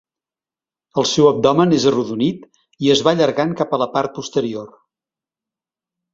El seu abdomen és arrodonit i es va allargant cap a la part posterior.